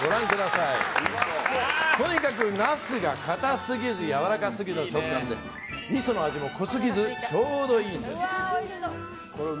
とにかくナスが硬すぎずやわらかすぎずの食感でみその味も濃すぎずちょうどいいんです。